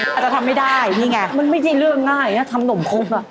อาจจะทำไม่ได้นี่ไงมันไม่ใช่เรื่องง่ายนะทำนมครบอ่ะ